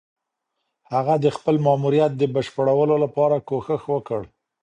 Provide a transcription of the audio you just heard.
هغه د خپل ماموريت د بشپړولو لپاره کوښښ وکړ.